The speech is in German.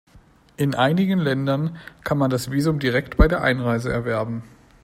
In einigen Ländern kann man das Visum direkt bei der Einreise erwerben.